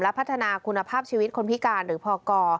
พัฒนาคุณภาพชีวิตคนพิการหรือพอก